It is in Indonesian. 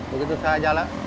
begitu salah jalan